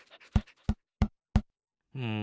うん。